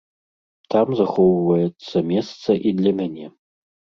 Там захоўваецца месца і для мяне.